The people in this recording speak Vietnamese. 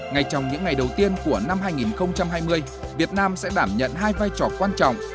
ngay trong những ngày đầu tiên của năm hai nghìn hai mươi việt nam sẽ đảm nhận hai vai trò quan trọng